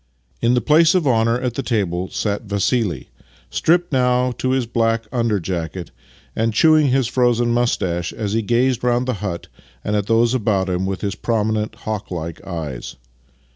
In the place of honour at the table sat Vassili, stripped now to his black under jacket, and chewing his frozen moustache as he gazed round the hut and at those about him with his prominent, hawklike eyes.